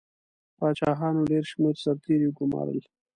پاچاهانو ډېر شمېر سرتیري وګمارل.